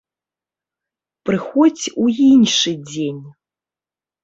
Прыходзь у іншы дзень!